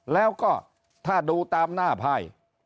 แล้วก็ถ้าดูตามหน้าไพ่